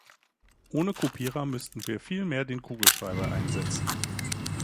Ohne Kopierer müssten wir viel mehr den Kugelschreiber einsetzen.